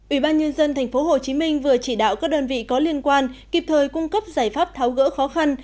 ủy ban nhân dân tp hcm vừa chỉ đạo các đơn vị có liên quan kịp thời cung cấp giải pháp tháo gỡ khó khăn